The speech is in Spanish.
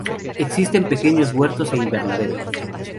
Existen pequeños huertos e invernaderos.